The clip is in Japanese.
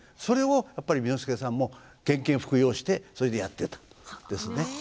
それをやっぱり簑助さんも拳々服膺してそれでやってたんですね。